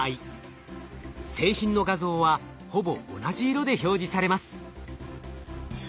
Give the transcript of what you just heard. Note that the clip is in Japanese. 製品の画像はほぼ同じ色で表示されます。